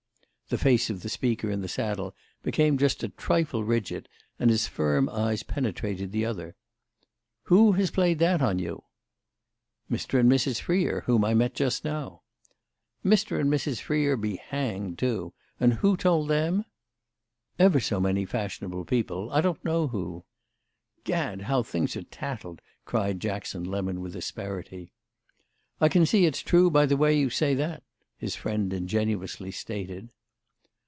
The face of the speaker in the saddle became just a trifle rigid, and his firm eyes penetrated the other. "Who has played that on you?" "Mr. and Mrs. Freer, whom I met just now." "Mr. and Mrs. Freer be hanged too. And who told them?" "Ever so many fashionable people. I don't know who." "Gad, how things are tattled!" cried Jackson Lemon with asperity. "I can see it's true by the way you say that," his friend ingenuously stated.